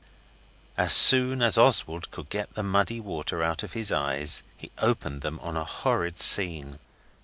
As soon as Oswald could get the muddy water out of his eyes he opened them on a horrid scene.